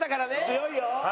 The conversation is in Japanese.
強いよ！